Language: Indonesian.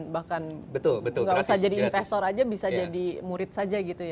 bahkan nggak usah jadi investor aja bisa jadi murid saja gitu ya